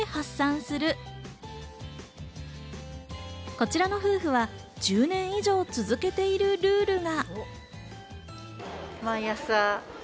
こちらの夫婦は１０年以上続けているルールが。